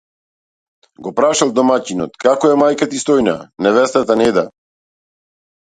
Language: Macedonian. го прашал домаќинот, како е мајка ти Стојна, невестата Неда?